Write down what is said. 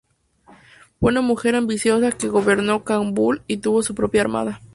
Fue una mujer ambiciosa que gobernó Kabul y tuvo su propia armada.